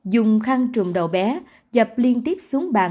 dùng khăn trùm đầu bé dập liên tiếp xuống bàn